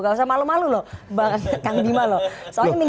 gak usah malu malu loh kang bima loh